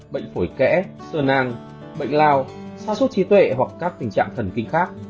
bệnh phổi kẽ sơ nang bệnh lao xa suốt trí tuệ hoặc các tình trạng thần kinh khác